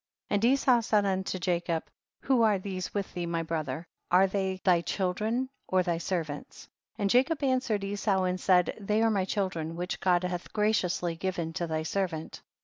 60. And Esau said unto Jacob, who are these with thee my brother ? are they thy children or thy servants ? and Jacob answered Esau and said, they are my children which God hath graciously given to thy servant.